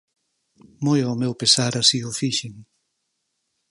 Moi ao meu pesar así o fixen.